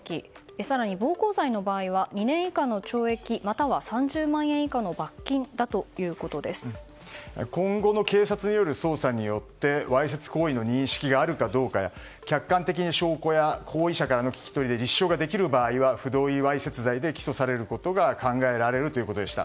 更に暴行罪は２年以下の懲役または３０万円以下の罰金だ今後の警察による捜査によってわいせつ行為の認識があるかどうかや客観的な証拠や行為者からの聞き取りで立証ができる場合は不同意わいせつ罪で起訴されることが考えられるということでした。